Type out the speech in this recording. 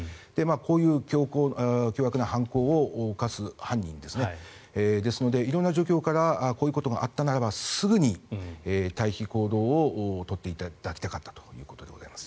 こういう凶悪な犯行を犯す犯人ですねですので、色んな状況からこういうことがあったならばすぐに退避行動を取っていただきたかったということでございます。